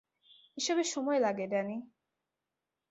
এসবে সময় লাগে, ড্যানি।